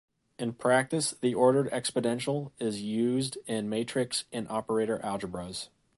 In practice the ordered exponential is used in matrix and operator algebras.